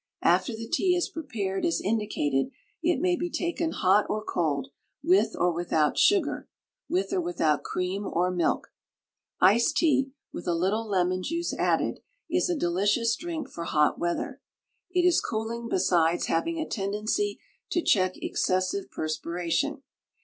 After the tea is prepared as indicated it may be taken hot or cold, with or without sugar, with or without cream or milk. Iced tea, with a little lemon juice added, is a delicious drink for hot weather. It is cooling besides having a tendency to check excessive perspiration.